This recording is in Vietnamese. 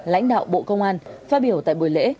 lãnh đạo bộ công an phát biểu tại buổi lễ